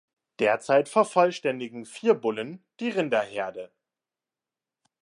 Derzeit vervollständigen vier Bullen die Rinderherde.